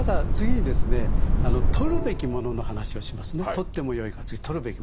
「とってもよい」から次「とるべきもの」。